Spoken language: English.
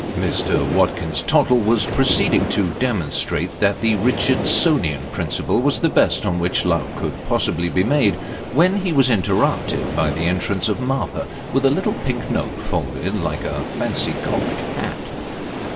Mr. Watkins Tottle was proceeding to demonstrate that the Richard sonian principle was the best on which love could possibly be made, when he was interrupted by the entrance of Martha, with a little pink note folded like a fancy cocked hat.